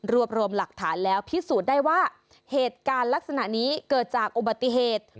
รวมรวมหลักฐานแล้วพิสูจน์ได้ว่าเหตุการณ์ลักษณะนี้เกิดจากอุบัติเหตุ